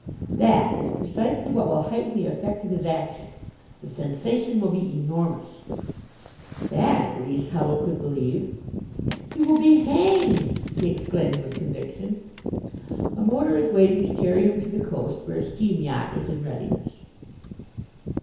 "That is precisely what will heighten the effect of his action. The sensation will be enormous." That at least Huddle could believe. "He will be hanged!" he exclaimed with conviction. "A motor is waiting to carry him to the coast, where a steam yacht is in readiness."